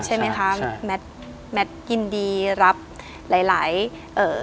ใช่ไหมคะแมทแมทยินดีรับหลายหลายเอ่อ